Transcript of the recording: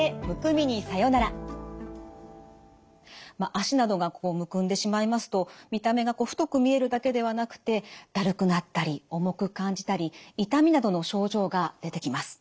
脚などがむくんでしまいますと見た目が太く見えるだけではなくてだるくなったり重く感じたり痛みなどの症状が出てきます。